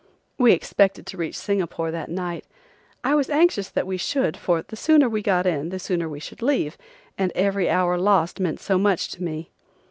We expected to reach Singapore that night. I was anxious that we should, for the sooner we got in the sooner we should leave, and every hour lost meant so much to me.